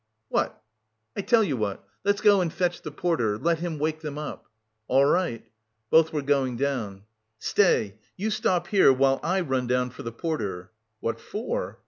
"What?" "I tell you what. Let's go fetch the porter, let him wake them up." "All right." Both were going down. "Stay. You stop here while I run down for the porter." "What for?"